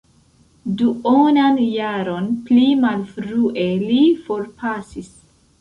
Duonan jaron pli malfrue li forpasis.